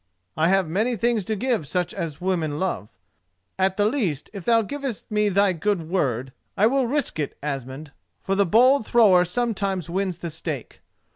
I have many things to give such as women love. At the least, if thou givest me thy good word, I will risk it, Asmund: for the bold thrower sometimes wins the stake.